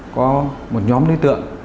có một nhóm đối tượng